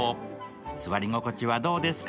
座り心地はどうですか？